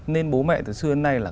nên bố mẹ từ xưa đến nay là